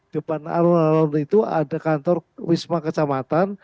depan alur alur itu ada kantor wisma kecamatan